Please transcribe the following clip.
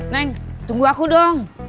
neng tunggu aku dong